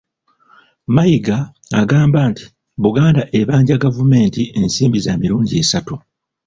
Mayiga agamba nti Buganda ebanja gavumenti ensimbi za mirundi esatu